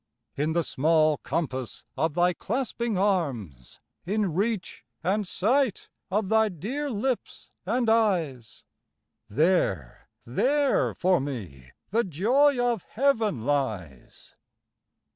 In the small compass of thy clasping arms, In reach and sight of thy dear lips and eyes, There, there for me the joy of Heaven lies.